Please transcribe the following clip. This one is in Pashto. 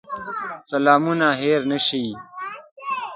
سلامونه هېر نه شي.